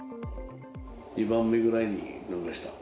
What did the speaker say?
２番目ぐらいに飲みました。